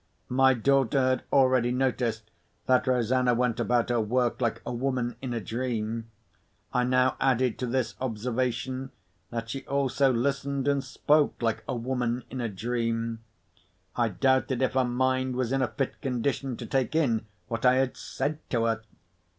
My daughter had already noticed that Rosanna went about her work like a woman in a dream. I now added to this observation, that she also listened and spoke like a woman in a dream. I doubted if her mind was in a fit condition to take in what I had said to her.